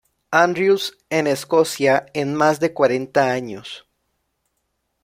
Andrews en Escocia en más de cuarenta años.